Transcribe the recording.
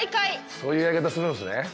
そういうやり方するんですね。